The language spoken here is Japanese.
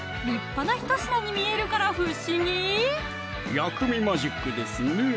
薬味マジックですね